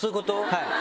はい！